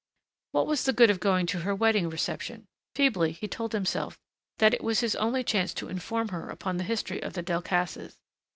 What was the good of going to her wedding reception? Feebly he told himself that it was his only chance to inform her upon the history of the Delcassés.